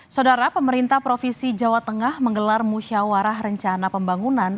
saudara pemerintah provinsi jawa tengah menggelar musyawarah rencana pembangunan